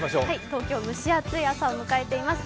東京、蒸し暑い朝を迎えています。